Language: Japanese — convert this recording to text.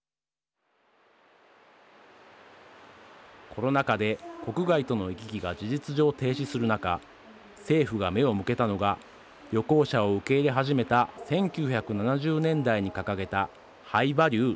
コロナ禍で国外との行き来が事実上停止する中政府が目を向けたのが旅行者を受け入れ始めた１９７０年代に掲げたＨｉｇｈＶａｌｕｅＬｏｗＶｏｌｕｍｅ。